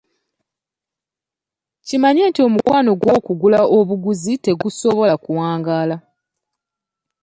Kimanye nti omukwano ogw'okugula obuguzi tegusobola kuwangaala.